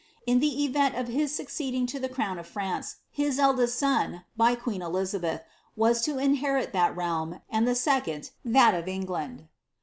In the event of his enccpeding to the crown of Fratice, his eldest •on, bj queen Elizabeth, was to inherit that realni, and the second thai ^ EnghnJ.